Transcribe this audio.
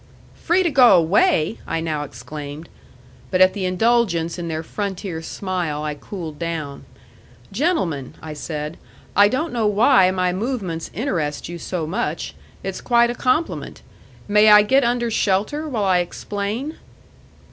"Free to go away!" I now exclaimed. But at the indulgence in their frontier smile I cooled down. "Gentlemen," I said, "I don't know why my movements interest you so much. It's quite a compliment! May I get under shelter while I explain?"